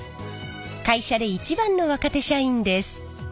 会社で一番の若手社員です。